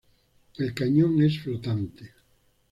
El cañón es flotante.